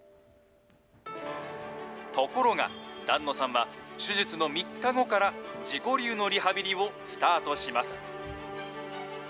ところが、檀野さんは、手術の３日後から自己流のリハビリをスタートします。